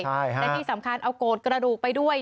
และที่สำคัญเอาโกรธกระดูกไปด้วย